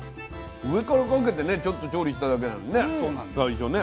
上からかけてねちょっと調理しただけなのにね最初ね。